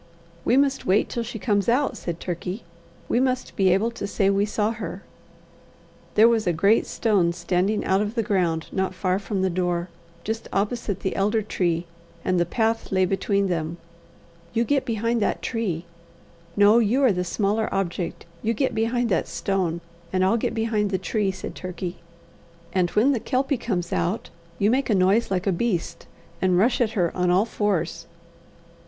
"We must wait till she comes out," said Turkey. "We must be able to say we saw her." There was a great stone standing out of the ground not far from the door, just opposite the elder tree, and the path lay between them. "You get behind that tree no, you are the smaller object you get behind that stone, and I'll get behind the tree," said Turkey; "and when the Kelpie comes out, you make a noise like a beast, and rush at her on all fours."